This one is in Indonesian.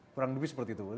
kurang lebih seperti itu